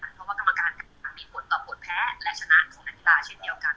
เพราะว่ากรรมการมีผลต่อผลแพ้และชนะของนักกีฬาเช่นเดียวกัน